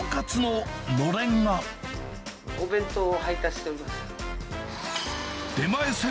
お弁当を配達しております。